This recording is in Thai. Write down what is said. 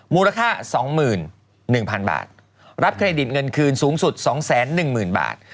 มูลค่า๒๑๐๐๐บาทรับเครดิตเงินคืนสูงสุด๒๑๐๐๐บาท